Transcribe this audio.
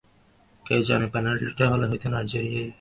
কে জানে, পেনাল্টিটা হলে হয়তো নাইজেরিয়াই জিতে যেত।